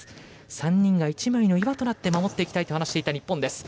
３人が１枚の岩となって守っていきたいと話していた日本。